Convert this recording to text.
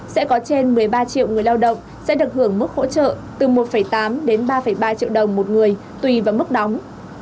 sẽ có trên một mươi ba triệu người lao động sẽ được hưởng mức hỗ trợ từ một tám đến ba ba triệu đồng một người tùy vào mức đóng